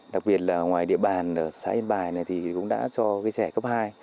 đặc biệt là ngoài địa bàn xã yên bài cũng đã cho trẻ cấp hai